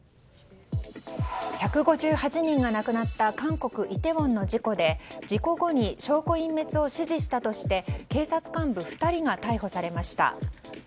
１５８人が亡くなった韓国イテウォンの事故で事故後に証拠隠滅を指示したとして警察幹部２人が逮捕されました。